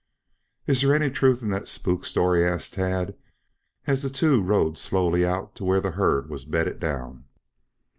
"Is there any truth in that spook story?" asked Tad, as the two rode slowly out to where the herd was bedded down.